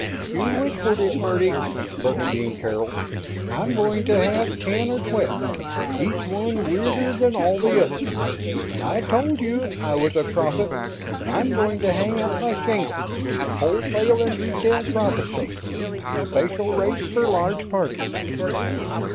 "You whistled it, birdie!" Bernadine caroled. "I'm going to have ten or twelve, each one weirder than all the others. I told you I was a prophet I'm going to hang out my shingle. Wholesale and retail prophecy; special rates for large parties."